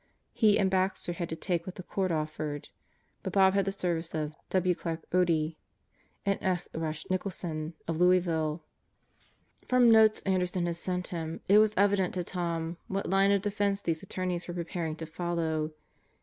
He and Baxter had to take what the court offered. But Bob had the services of W. Clarke Otte and S. Rush Nicholson of Louisville. From notes Anderson had sent him, it was evident to Tom what line of defense these attorneys were preparing to follow.